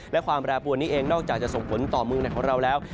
และความแบรนด์ปวดนี้เองนอกจากจะส่งฝนต่อมือในของเราแล้ว